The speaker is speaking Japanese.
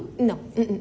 うん。